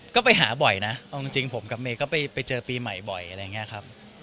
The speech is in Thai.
ก็ไปหาบ่อยนะเอาจริงผมกับเมย์ก็ไปเจอปีใหม่บ่อยอะไรอย่างนี้ครับ